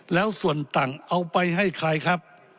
แล้วส่วนต่างเอาไปให้ใครครับ